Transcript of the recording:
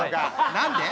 何で？